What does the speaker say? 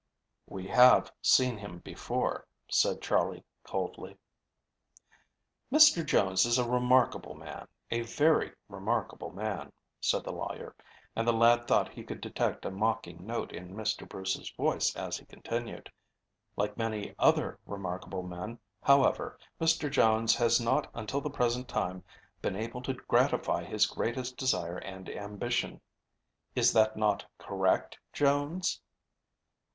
"We have seen him before," said Charley coldly. "Mr. Jones is a remarkable man, a very remarkable man," said the lawyer, and the lad thought he could detect a mocking note in Mr. Bruce's voice as he continued. "Like many other remarkable men, however, Mr. Jones has not until the present time been able to gratify his greatest desire and ambition. Is that not correct, Jones?"